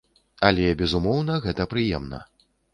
Але, безумоўна, гэта прыемна!